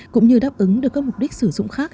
cũng như đáp ứng được các mục đích sử dụng khác